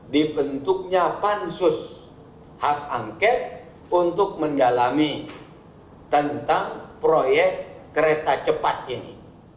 dibentuknya pansus hak angket untuk mendalami tentang proyek kereta cepat ini